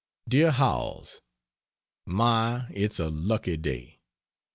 DEAR HOWELLS, My, it's a lucky day!